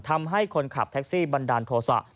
ทำให้คนขับแท็กซี่บันดาลโทษะ